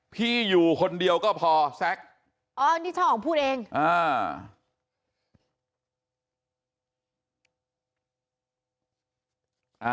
พี่อยู่คนเดียวก็พอแซ็กอ๋อนี่ช่อของพูดเองอ่า